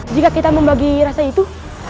jika kita membagi rasa itu